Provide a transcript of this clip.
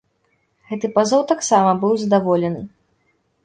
Гэты пазоў таксама быў задаволены.